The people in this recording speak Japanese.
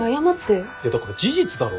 だから事実だろ。